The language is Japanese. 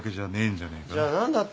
じゃあ何だって。